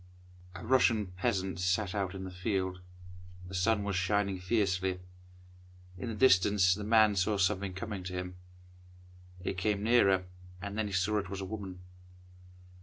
A RUSSIAN peasant sat out in the field. The sun was shining fiercely. In the distance the man saw something coming to him. It came nearer, and then he saw it was a woman.